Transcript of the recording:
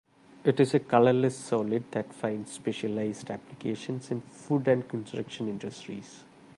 It is a colourless solid that finds specialised applications in food and construction industries.